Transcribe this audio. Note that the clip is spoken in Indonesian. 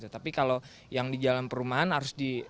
tapi kalau yang di jalan perumahan harus di